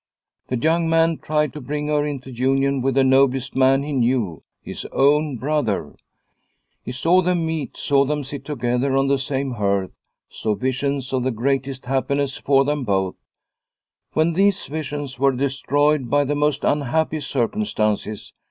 The young man tried to bring her into union with the noblest man he knew his own brother. He saw them meet, saw them sit together on the same hearth, saw visions of the greatest happiness for them both, when these visions were destroyed by the most un happy circumstances.